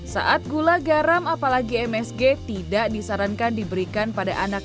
saat gula garam apalagi msg tidak disarankan diberikan pada anak